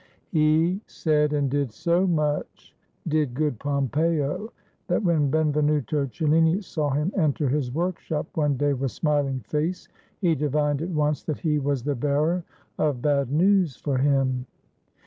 He said and did so much, did good Pompeo, that when Benvenuto Cellini saw him enter his workshop one day with smiling face, he divined at once that he was the bearer of bad news for him.